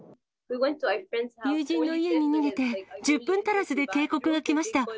友人の家に逃げて、１０分足らずで警告が来ました。